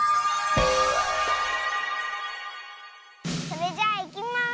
それじゃあいきます！